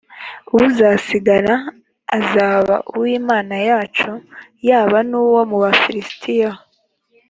uzasigara azaba uw’imana yacu yaba n’uwo mu bafilisitiya